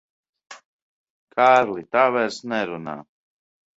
Kārli, tā vairs nerunā.